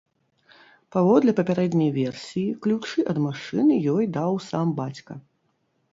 Паводле папярэдняй версіі, ключы ад машыны ёй даў сам бацька.